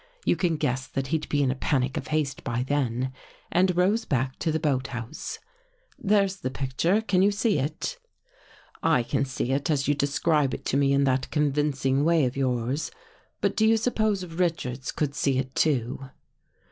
You can guess that he'd be in a panic of haste by then, and rows back to the boathouse. There's the picture ! Can you see it?" " I can see it, as you describe it to me in that convincing way of yours. But do you suppose Richards could see it, too?"